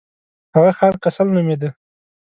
هغه ښار کسل نومیده.